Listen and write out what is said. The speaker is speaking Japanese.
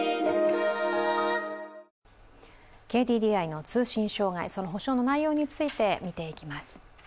ＫＤＤＩの通信障害、その補償の内容について見ていきます。